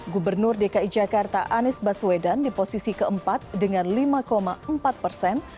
gubernur dki jakarta anies baswedan di posisi keempat dengan lima empat persen